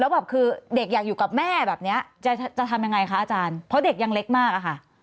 แบบคือเด็กอยากอยู่กับแม่แบบนี้จะทำยังไงคะอาจารย์เพราะเด็กยังเล็กมากอะค่ะ